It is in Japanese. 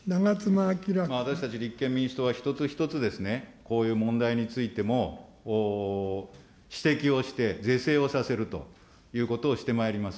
私たち立憲民主党は、一つ一つですね、こういう問題についても指摘をして、是正をさせるということをしてまいります。